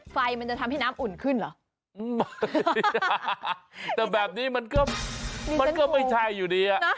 ไฟมันจะทำให้น้ำอุ่นขึ้นเหรอแต่แบบนี้มันก็มันก็ไม่ใช่อยู่ดีอ่ะ